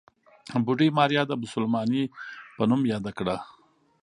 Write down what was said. بوډۍ ماريا د بوسلمانې په نوم ياده کړه.